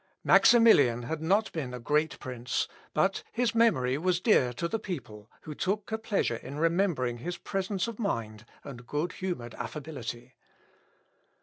Maximilian had not been a great prince; but his memory was dear to the people, who took a pleasure in remembering his presence of mind and good humoured affability.